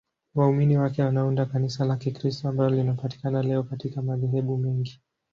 Waumini wake wanaunda Kanisa la Kikristo ambalo linapatikana leo katika madhehebu mengi.